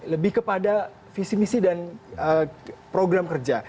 lebih kepada visi misi dan program kerja